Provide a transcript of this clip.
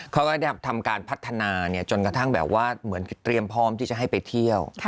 เขาก็ได้ทำการพัฒนาจนกระทั่งแบบว่าเหมือนเตรียมพร้อมที่จะให้ไปเที่ยว